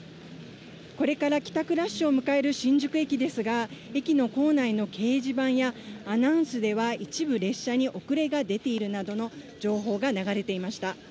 これから帰宅ラッシュを迎える新宿駅ですが、駅の構内の掲示板やアナウンスでは、一部列車に遅れが出ているなどの情報が流れていました。